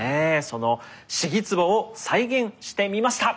その鴫壺を再現してみました。